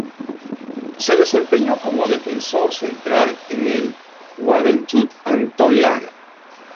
Se desempeñó como defensor central en Juventud Antoniana.